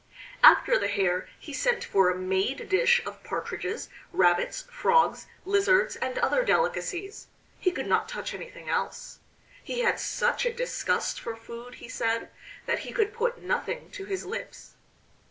After the hare he sent for a made dish of partridges, rabbits, frogs, lizards, and other delicacies; he could not touch anything else. He had such a disgust for food, he said, that he could put nothing to his lips.